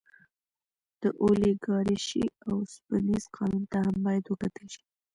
د اولیګارشۍ اوسپنیز قانون ته هم باید وکتل شي.